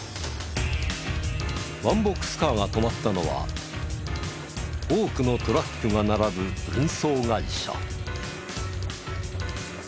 ワンボックスカーが止まったのは多くのトラックが並ぶ運送会社。